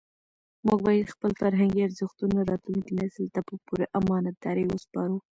موږ باید خپل فرهنګي ارزښتونه راتلونکي نسل ته په پوره امانتدارۍ وسپارو.